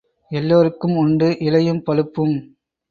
எல்லாருக்கும் உண்டு இலையும் பழுப்பும்.